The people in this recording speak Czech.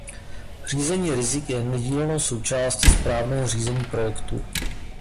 Řízení rizik je nedílnou součástí správného řízení projektů.